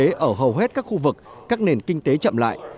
tăng trưởng kinh tế ở hầu hết các khu vực các nền kinh tế chậm lại